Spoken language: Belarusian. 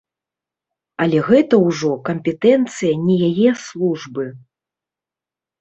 Але гэта ўжо кампетэнцыя не яе службы.